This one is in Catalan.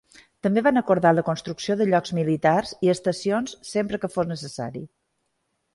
També van acordar la construcció de llocs militars i estacions sempre que fos necessari.